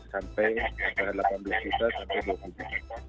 sampai delapan belas juta sampai dua puluh juta